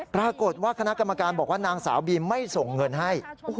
ปรากฏว่าคณะกรรมการบอกว่านางสาวบีมไม่ส่งเงินให้